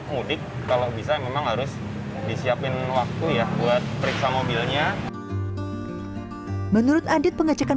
mudik kalau bisa memang harus disiapin waktu ya buat periksa mobilnya menurut adit pengecekan